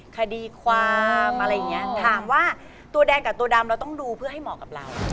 คดีความอะไรอย่างนี้ถามว่าตัวแดงกับตัวดำเราต้องดูเพื่อให้เหมาะกับเรา